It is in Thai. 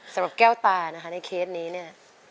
สำหรับแก้วตานะคะในเคสนี้เนี่ย